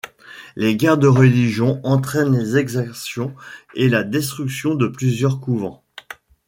Les guerres de Religion entrainent des exactions et la destruction de plusieurs couvents.